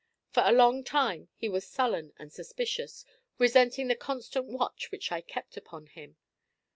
For a long time he was very sullen and suspicious, resenting the constant watch which I kept upon him.